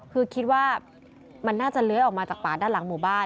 คือคิดว่ามันน่าจะเลื้อยออกมาจากป่าด้านหลังหมู่บ้าน